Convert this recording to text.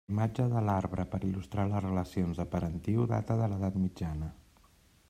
La imatge de l'arbre per il·lustrar les relacions de parentiu data de l'Edat mitjana.